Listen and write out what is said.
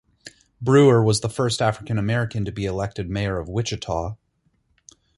Brewer was the first African American to be elected mayor of Wichita.